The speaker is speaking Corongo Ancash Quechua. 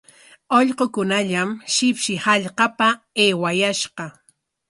Ullqukunallam shipshi hallqapa aywayashqa.